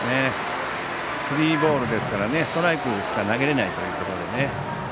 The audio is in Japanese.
スリーボールですからストライクしか投げれないというところでね。